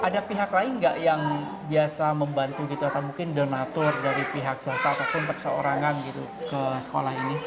ada pihak lain nggak yang biasa membantu gitu atau mungkin donatur dari pihak swasta ataupun perseorangan gitu ke sekolah ini